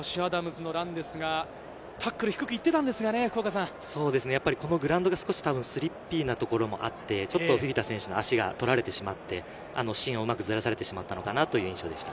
ジョシュ・アダムズのランですが、タックル低く行ってこのグラウンドが少しスリッピーなところもあって、フィフィタ選手の足がとられてしまって、芯をずらされてしまったのかなという印象でした。